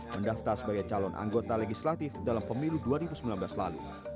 mendaftar sebagai calon anggota legislatif dalam pemilu dua ribu sembilan belas lalu